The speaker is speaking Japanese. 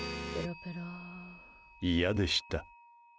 嫌でした。